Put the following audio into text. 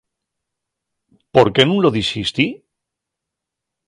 ¿Por qué nun lo dixisti?